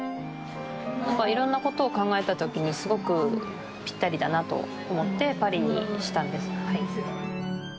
いろんなことを考えた時にすごくピッタリだなと思ってパリにしたんです。